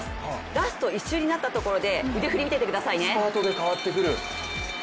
ラスト１周になったところで、腕振り見ててくださいね。